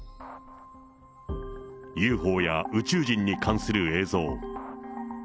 ＵＦＯや宇宙人に関する映像。